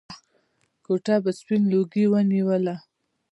کوټه به سپين لوګي ونيوله.